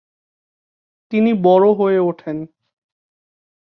তিনি বড় হয়ে ওঠেন।